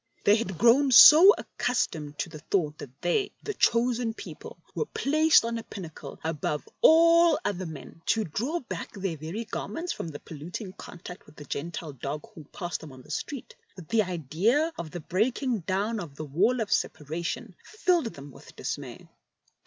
They had grown so accustomed to the thought that they, the Chosen Peopie, were placed on a pinnacle above all other men — to draw back their very garments from the polluting contact %vith the " Gentile dog " who passed them in the street— that the idea of the breaking down of the wall of separation filled them with dismay.